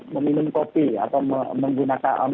meminum kopi atau menggunakan